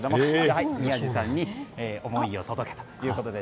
はい、宮司さんに思いよ届けというこよで。